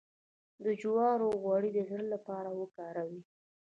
د جوارو غوړي د زړه لپاره وکاروئ